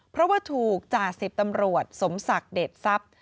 เพราะว่าถูกจ่าสิบตำรวจสมศักดิ์เดชทรัพย์